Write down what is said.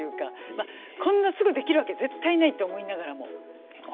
まあこんなすぐできるわけ絶対ないと思いながらも。